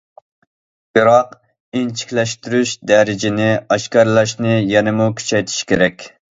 بىراق ئىنچىكىلەشتۈرۈش دەرىجىنى ئاشكارىلاشنى يەنىمۇ كۈچەيتىش كېرەك.